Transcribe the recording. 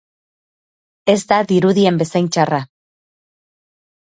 Ez da dirudien bezain txarra...